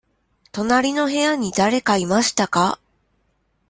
隣の部屋にだれかいましたか。